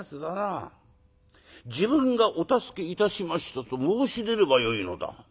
『自分がお助けいたしました』と申し出ればよいのだ」。